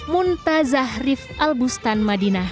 muntazah rif al bustan madinah